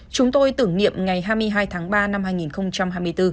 chúng tôi tưởng niệm ngày hai mươi hai tháng ba năm hai nghìn hai mươi bốn